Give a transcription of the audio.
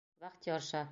Вахтерша!..